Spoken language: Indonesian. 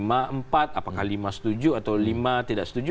apakah lima setuju atau lima tidak setuju